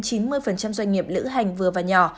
doanh nghiệp lữ hành vừa và nhỏ